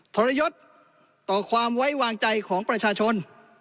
ทรยศต่อความไว้วางใจของประชาชน